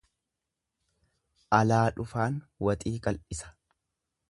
Alaa dhufaan waxii qal'isa.